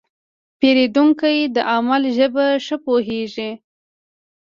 پیرودونکی د عمل ژبه ښه پوهېږي.